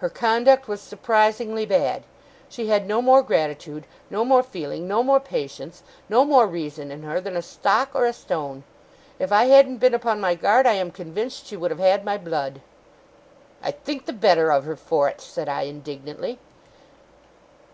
Her conduct was surprisingly bad. She had no more gratitude, no more feeling, no more patience, no more reason in her, than a stock or a stone. If I hadn't been upon my guard, I am convinced she would have had my blood.' 'I think the better of her for it,' said I, indignantly.